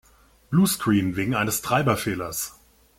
Bluescreen. Wegen eines Treiberfehlers.